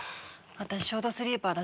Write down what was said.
私ショートスリーパーだし。